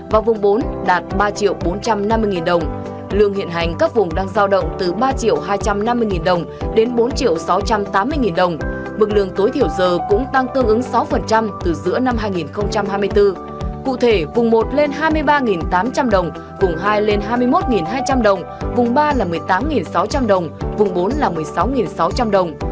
vùng bốn đạt ba bốn trăm năm mươi đồng lương hiện hành các vùng đang giao động từ ba hai trăm năm mươi đồng đến bốn sáu trăm tám mươi đồng mức lương tối thiểu giờ cũng tăng tương ứng sáu từ giữa năm hai nghìn hai mươi bốn cụ thể vùng một lên hai mươi ba tám trăm linh đồng vùng hai lên hai mươi một hai trăm linh đồng vùng ba là một mươi tám sáu trăm linh đồng vùng bốn là một mươi sáu sáu trăm linh đồng